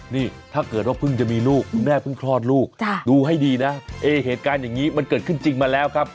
นี่ถ้าเกิดว่าเพิ่งจะมีลูกคุณแม่เพิ่งคลอดลูกดูให้ดีนะเหตุการณ์อย่างนี้มันเกิดขึ้นจริงมาแล้วครับ